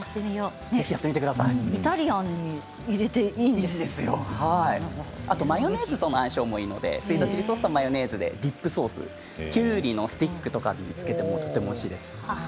イタリアンに入れてあとマヨネーズとの相性もいいのでスイートチリソースとマヨネーズでディップソース、きゅうりのスティックとかにつけてもとてもおいしいです。